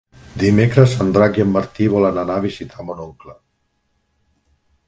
Dimecres en Drac i en Martí volen anar a visitar mon oncle.